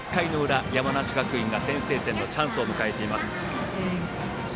山梨学院が先制点のチャンスを迎えています。